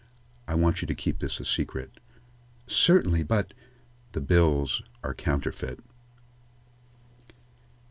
I want you to keep this a secret." "Certainly, but " "The bills are counterfeit."